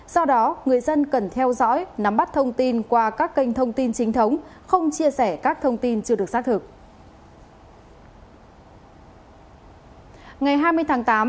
do đó người dân cần theo dõi nắm bắt thông tin qua các kênh thông tin chính thống không chia sẻ các thông tin chưa được xác thực